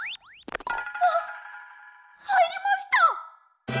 あっはいりました！